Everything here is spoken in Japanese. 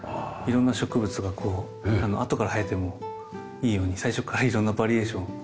色んな植物がこうあとから生えてもいいように最初から色んなバリエーション。